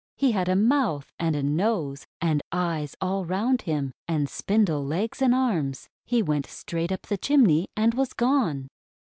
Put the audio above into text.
He had a mouth, and a nose, and eyes all round him, and spindle legs and arms. He went straight up the chimney and was gone.